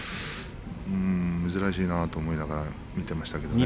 珍しいと思いながら見ていましたね。